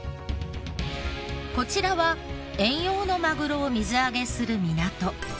こちらは遠洋のマグロを水揚げする港